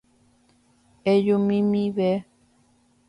Ejumimive.